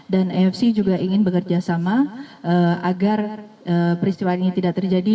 dan afc juga ingin bekerjasama agar peristiwa ini tidak terjadi